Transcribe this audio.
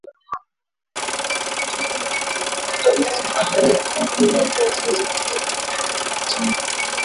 Shirika la uangalizi wa haki za binadamu linaelezea wasiwasi kuhusu kuteswa wafungwa nchini Uganda.